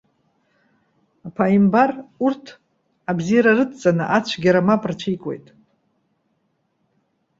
Аԥааимбар, урҭ абзиара рыдҵаны ацәгьара мап рцәикуеит.